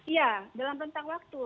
iya dalam rentang waktu